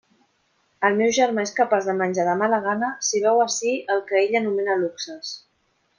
El meu germà és capaç de menjar de mala gana si veu ací el que ell anomena luxes.